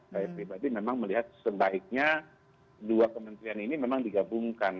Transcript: saya pribadi memang melihat sebaiknya dua kementerian ini memang digabungkan